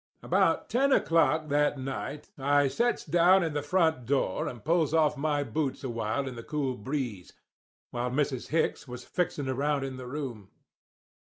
"About ten o'clock that night I sets down in the front door and pulls off my boots a while in the cool breeze, while Mrs. Hicks was fixing around in the room.